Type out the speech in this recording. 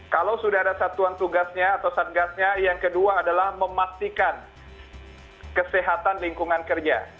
kalau sudah ada satuan tugasnya atau satgasnya yang kedua adalah memastikan kesehatan lingkungan kerja